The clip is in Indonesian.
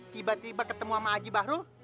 tiba tiba ketemu sama aji bahrul